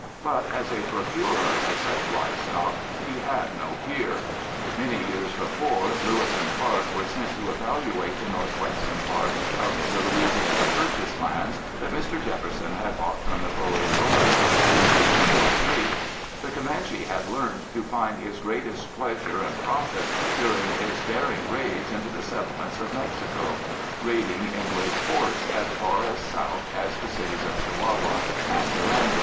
But as a procurer of such livestock, he had no peer. Many years before Lewis and Clark were sent to evaluate the Northwestern part of the Louisiana Purchase lands that Mr. Jefferson had bought from Napoleon Bonaparte in 1803, the Comanche had learned to find his greatest pleasure and profit during his daring raids into the settlements of Mexico, raiding in great force as far south as the cities of Chihuahua and Durango.